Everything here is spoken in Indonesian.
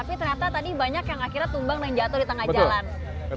tapi ternyata tadi banyak yang akhirnya tumbang dan jatuh di tengah jalan